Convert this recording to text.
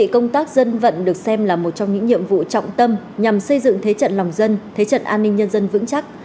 công tác dân vận được xem là một trong những nhiệm vụ trọng tâm nhằm xây dựng thế trận lòng dân thế trận an ninh nhân dân vững chắc